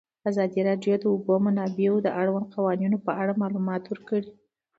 ازادي راډیو د د اوبو منابع د اړونده قوانینو په اړه معلومات ورکړي.